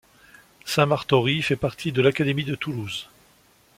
Saint-Martory fait partie de l'académie de Toulouse.